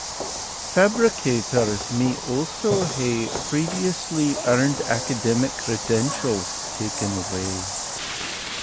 Fabricators may also have previously earned academic credentials taken away.